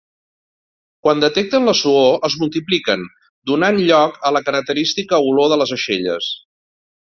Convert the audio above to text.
Quan detecten la suor, es multipliquen, donant lloc a la característica olor de les aixelles.